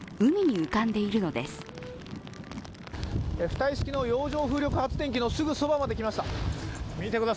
浮体式の洋上風力発電機のすぐそばまで来ました。